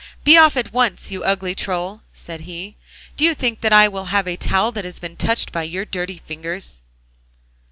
'Be off at once, you ugly Troll,' said he; 'do you think that I will have a towel that has been touched by your dirty fingers?